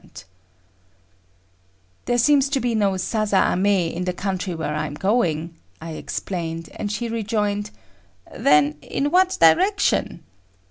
] "There seems to be no 'sasa ame' in the country where I'm going," I explained, and she rejoined; "Then, in what direction?"